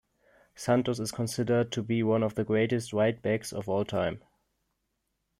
Santos is considered to be one of the greatest right-backs of all time.